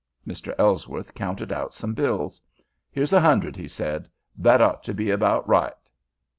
Mr. Ellsworth counted out some bills. "Here's a hundred," he said. "That ought to be about right."